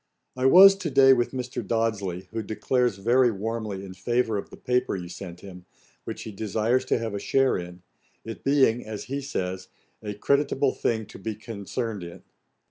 'I was to day with Mr. Dodsley, who declares very warmly in favour of the paper you sent him, which he desires to have a share in, it being, as he says, a creditable thing to be concerned in.